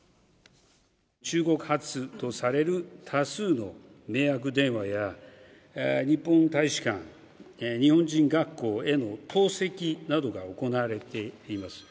中国発とされる多数の迷惑電話や、日本大使館、日本人学校への投石などが行われています。